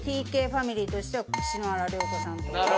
ＴＫファミリーとしては篠原涼子さんとか。